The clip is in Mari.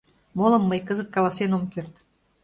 Молым мый кызыт каласен ом керт.